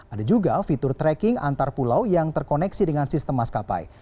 ada juga fitur tracking antar pulau yang terkoneksi dengan sistem maskapai